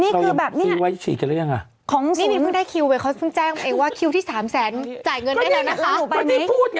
นี่คือแบบเนี่ยของสูงนี่มีพี่เพิ่งได้คิวไว้เค้าเพิ่งแจ้งไว้ว่าคิวที่๓แสนจ่ายเงินได้แล้วนะคะ